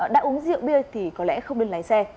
đã uống rượu bia thì có lẽ không nên lái xe